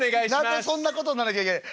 「何でそんなことになんなきゃいけない。